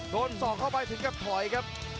สอกเข้าไปถึงกับถอยครับ